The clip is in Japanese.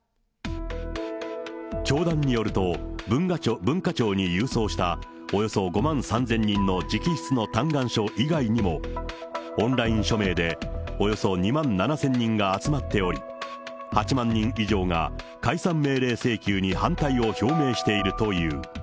教団によると、文化庁に郵送したおよそ５万３０００人の直筆の嘆願書以外にも、オンライン署名でおよそ２万７０００人が集まっており、８万人以上が解散命令請求に反対を表明しているという。